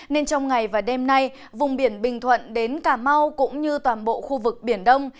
nên trong ngày và đêm nay vùng biển bình thuận đến cà mau cũng như toàn bộ khu vực biển đông